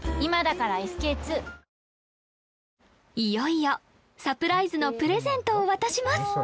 いよいよサプライズのプレゼントを渡します！